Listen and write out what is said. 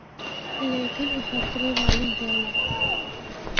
لیکن اے خطرے والی گل اے۔